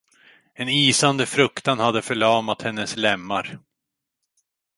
En isande fruktan hade förlamat hennes lemmar.